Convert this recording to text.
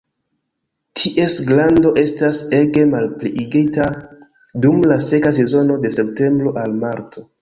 Ties grando estas ege malpliigita dum la seka sezono de septembro al marto.